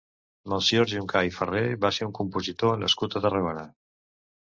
Melcior Juncà i Farré va ser un compositor nascut a Tarragona.